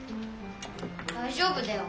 大丈夫だよ。